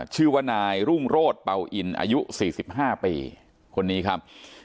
ชื่อว่านายรุ่งโรธเป่าอินอายุ๔๕ปีคนนี้ครับ